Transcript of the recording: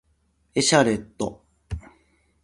エシャレット